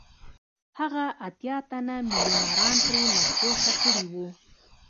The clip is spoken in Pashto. هغه اتیا تنه میلیونران پرې مدهوشه کړي وو